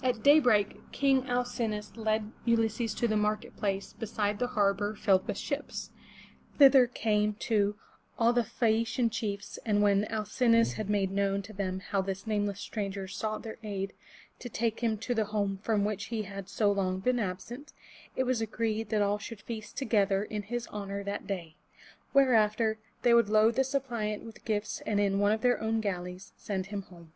At daybreak, King Al cin'o us led Ulysses to the market place beside the harbor filled with ships. Thither came, too, all the Phae a'ci an chiefs, and when Al cin'o us had made known to them how that this nameless stranger sought their aid to take him to the home from which he had so long been absent, it was agreed that all should feast together in his honor that day; whereafter they would load the suppliant with gifts and in one of their own galleys send him home.